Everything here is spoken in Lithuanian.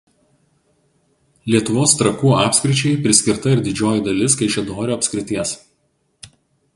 Lietuvos trakų apskričiai priskirta ir didžioji dalis Kaišiadorių apskrities.